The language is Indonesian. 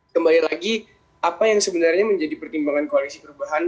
kembali lagi apa yang sebenarnya menjadi pertimbangan koalisi perubahan